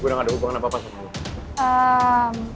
gue udah gak ada hubungan apa apa sama kamu